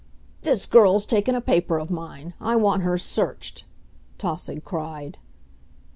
"This girl's taken a paper of mine. I want her searched," Tausig cried.